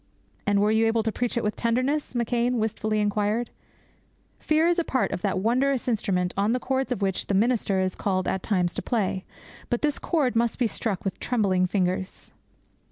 'And were you able to preach it with tenderness?' McCheyne wistfully inquired. Fear is part of that wondrous instrument on all the chords of which the minister is called at times to play; but this chord must be struck with trembling fingers.